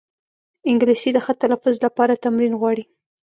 انګلیسي د ښه تلفظ لپاره تمرین غواړي